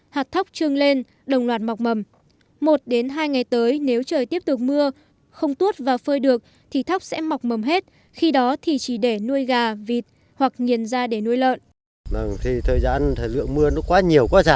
hạt thóc trương lên đồng loạt mọc mầm một đến hai ngày tới nếu trời tiếp tục mưa không tuốt và phơi được thì thóc sẽ mọc mầm hết khi đó thì chỉ để nuôi gà vịt hoặc nghiền ra để nuôi lợn